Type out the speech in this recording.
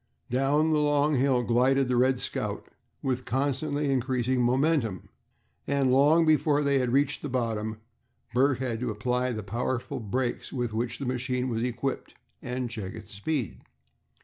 Down the long hill glided the "Red Scout" with constantly increasing momentum, and long before they reached the bottom Bert had to apply the powerful brakes with which the machine was equipped, and check its speed.